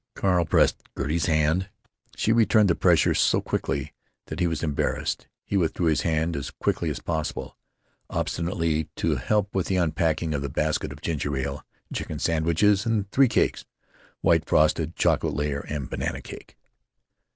Carl pressed Gertie's hand; she returned the pressure so quickly that he was embarrassed. He withdrew his hand as quickly as possible, ostensibly to help in the unpacking of the basket of ginger ale and chicken sandwiches and three cakes (white frosted, chocolate layer, and banana cake).